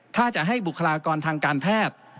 ถ้าจะให้บุคลากรทางการแพทย์